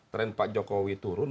tren pak jokowi turun